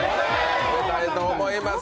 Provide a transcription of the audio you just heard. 食べたいと思います。